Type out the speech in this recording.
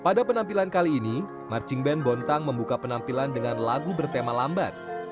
pada penampilan kali ini marching band bontang membuka penampilan dengan lagu bertema lambat